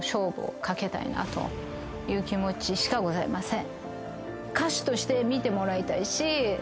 という気持ちしかございません。